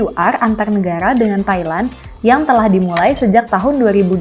pr antar negara dengan thailand yang telah dimulai sejak tahun dua ribu dua puluh